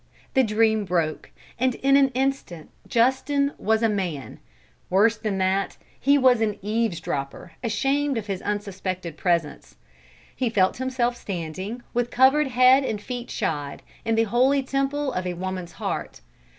The dream broke, and in an instant Justin was a man worse than that, he was an eavesdropper, ashamed of his unsuspected presence. He felt himself standing, with covered head and feet shod, in the holy temple of a woman's heart.